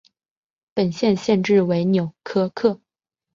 本县县治为纽柯克。